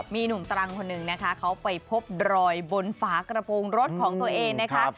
มีหนุ่มตรังคนหนึ่งนะคะเขาไปพบรอยบนฝากระโปรงรถของตัวเองนะคะ